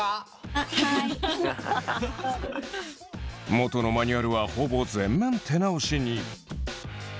元のマニュアルはほぼ全面手直しに。